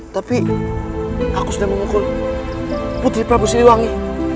tapi aku sudah memukul putri prabu siliwangi